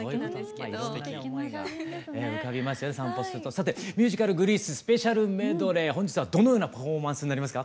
さてミュージカル「ＧＲＥＡＳＥ」スペシャルメドレー本日はどのようなパフォーマンスになりますか？